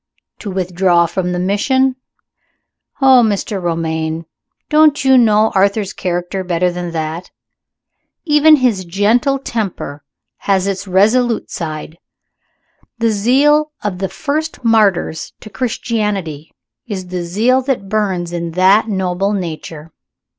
"To withdraw from the Mission? Oh, Mr. Romayne, don't you know Arthur's character better than that? Even his gentle temper has its resolute side. The zeal of the first martyrs to Christianity is the zeal that burns in that noble nature.